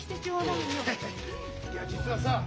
いや実はさ